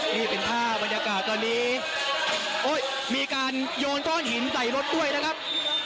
นี่เป็นภาพบรรยากาศตอนนี้มีการโยนก้อนหินใส่รถด้วยนะครับ